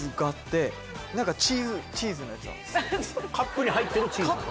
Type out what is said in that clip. カップに入ってるチーズなの？